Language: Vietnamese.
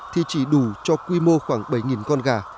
thì chỉ đủ cho quy mô khoảng bảy con gà